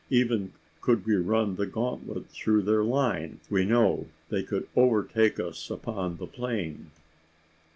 Even could we run the gauntlet through their line, we know they could overtake us upon the plain!